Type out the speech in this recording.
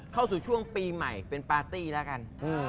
เข้าสู่ช่วงปีใหม่เป็นปาร์ตี้แล้วกัน